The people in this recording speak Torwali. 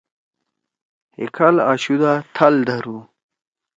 ہے کھال آشُو دا تھال دھرُو۔